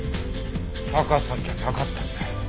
タカさんじゃなかったんだ。